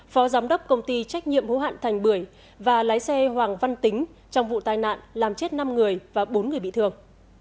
phó giám đốc công ty trách nhiệm hữu hạn thành bưởi và lái xe hoàng văn tính trong vụ tai nạn làm chết năm người và bốn người bị thương